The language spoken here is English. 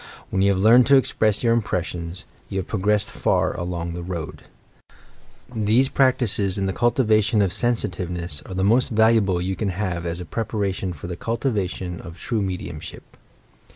When you have learned to express your impressions, you have prog ressed far along the Boad. These ppaetices in the cultivation of sensitiveness are the most valuable you can have as a preparation for the cultivation of true mediumship.